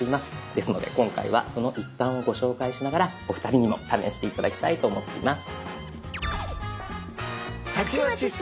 ですので今回はその一端をご紹介しながらお二人にも試して頂きたいと思っています。